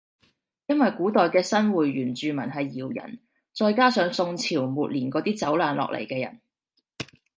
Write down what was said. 因為古代嘅新會原住民係瑤人再加上宋朝末年嗰啲走難落嚟嘅人